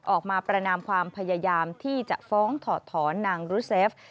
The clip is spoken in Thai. ประนามความพยายามที่จะฟ้องถอดถอนนางรุเซฟ